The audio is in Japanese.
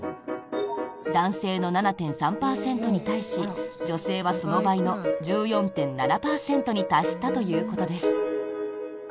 男性の７．３％に対し女性はその倍の１４．７％に達したということです。